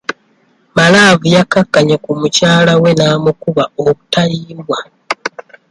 Malaavu yakkakkanye ku mukyalawe n'amukuba obutayimbwa.